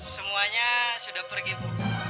semuanya sudah pergi bu